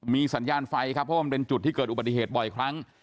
มีสัญญาณไฟครับเพราะมันเป็นจุดที่เกิดอุบัติเหตุบ่อยครั้ง